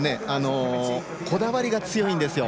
こだわりが強いんですよ。